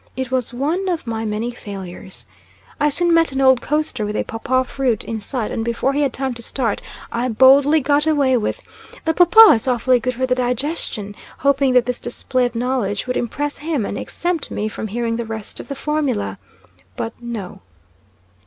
It was one of my many failures. I soon met an old coaster with a papaw fruit in sight, and before he had time to start, I boldly got away with "The paw paw is awfully good for the digestion," hoping that this display of knowledge would impress him and exempt me from hearing the rest of the formula. But no.